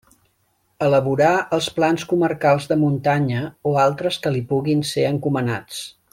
Elaborar els plans comarcals de muntanya o altres que li puguin ser encomanats.